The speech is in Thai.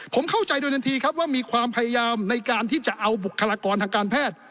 ผมเข้าใจโดยทันทีครับว่ามีความพยายามในการที่จะเอาบุคลากรทางการแพทย์